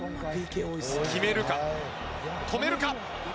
決めるか、止めるか。